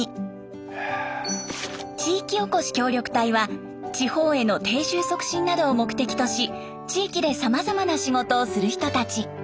地域おこし協力隊は地方への定住促進などを目的とし地域でさまざまな仕事をする人たち。